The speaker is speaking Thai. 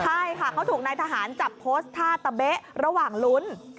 ใช่ค่ะเขาถูกนายทหารจับโพสต์ท่าตะเบ๊ะระหว่างลุ้น